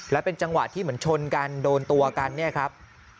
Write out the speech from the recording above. แล้วเป็นจังหวะที่เหมือนชนกันโดนตัวกันเนี่ยครับ